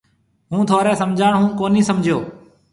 هُون ٿوري سمجھاڻ هون ڪونِي سمجھيَََو۔